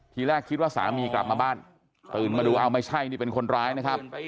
ทีแรกคิดว่าสามีกลับมาบ้านตื่นมาดูอ้าวไม่ใช่นี่เป็นคนร้ายนะครับ